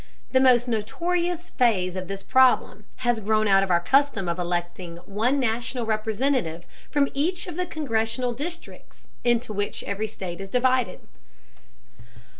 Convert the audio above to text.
The most notorious phase of this problem has grown out of our custom of electing one national Representative from each of the congressional districts into which every state is divided.